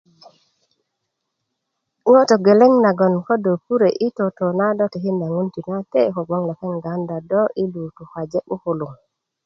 ŋo' togeleŋ nagon ko do pure' yi toto na do tikinda ŋun tinate kogboŋ lepeŋ gawunda do yi lu tukaje 'bukuluŋ